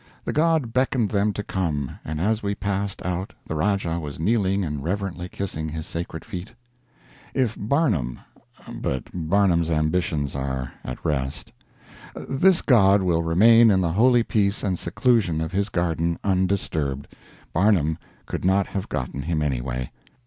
The god beckoned them to come, and as we passed out the Rajah was kneeling and reverently kissing his sacred feet. If Barnum but Barnum's ambitions are at rest. This god will remain in the holy peace and seclusion of his garden, undisturbed. Barnum could not have gotten him, anyway.